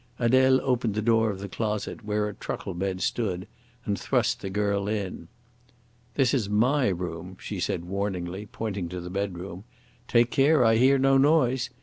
Adele opened the door of the closet, where a truckle bed stood, and thrust the girl in. "This is my room," she said warningly, pointing to the bedroom. "Take care I hear no noise.